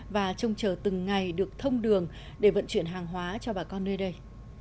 và trông chờ từng ngày được thông đường để vận chuyển hàng hóa cho bà con nơi đây